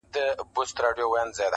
جواب دي راکړ خپل طالع مي ژړوینه!.